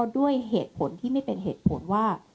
ด้วยเหตุผลที่ไม่เป็นเหตุผลว่า